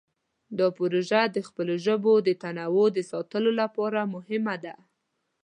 دا پروژه د خپلو ژبو د تنوع د ساتلو لپاره مهمه ده.